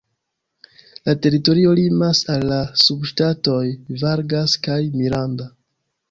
La teritorio limas al la subŝtatoj "Vargas" kaj "Miranda".